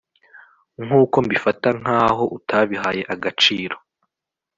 Nkuko mbifata nkaho utabihaye agaciro